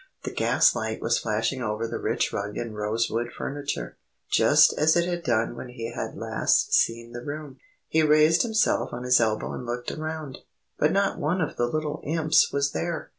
The gas light was flashing over the rich rug and rosewood furniture, just as it had done when he had last seen the room. He raised himself on his elbow and looked around, but not one of the little Imps was there.